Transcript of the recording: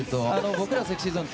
僕らＳｅｘｙＺｏｎｅ